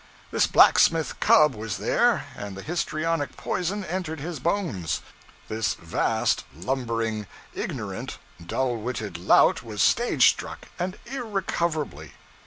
This blacksmith cub was there, and the histrionic poison entered his bones. This vast, lumbering, ignorant, dull witted lout was stage struck, and irrecoverably.